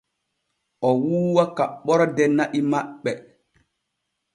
O wuuwa kaɓɓorde na'i maɓɓe.